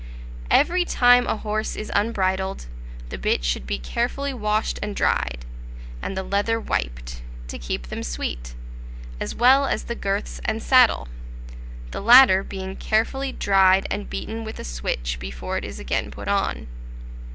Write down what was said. Every time a horse is unbridled, the bit should be carefully washed and dried, and the leather wiped, to keep them sweet, as well as the girths and saddle, the latter being carefully dried and beaten with a switch before it is again put on.